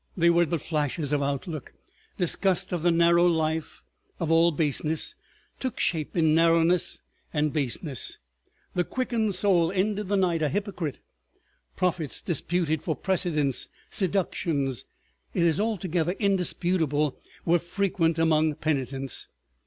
They were but flashes of outlook. Disgust of the narrow life, of all baseness, took shape in narrowness and baseness. The quickened soul ended the night a hypocrite; prophets disputed for precedence; seductions, it is altogether indisputable, were frequent among penitents!